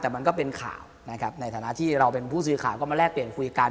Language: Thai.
แต่มันก็เป็นข่าวนะครับในฐานะที่เราเป็นผู้สื่อข่าวก็มาแลกเปลี่ยนคุยกัน